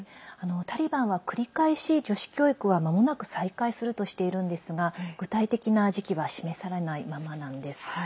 タリバンは繰り返し女子教育は、まもなく再開するとしているんですが具体的な時期は示されないままなんです。